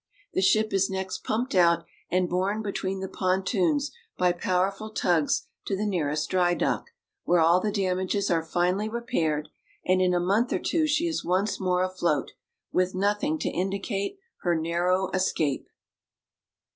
The ship is next pumped out, and borne between the pontoons by powerful tugs to the nearest dry dock, where all the damages are finally repaired, and in a month or two she is once more afloat, with nothing to indicate her narrow escape.